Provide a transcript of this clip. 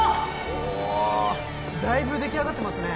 おおだいぶ出来上がってますね